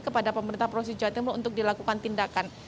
kepada pemerintah provinsi jawa timur untuk dilakukan tindakan